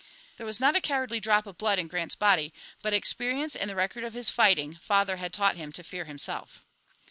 There was not a cowardly drop of blood in Grant's body, but experience and the record of his fighting father had taught him to fear himself.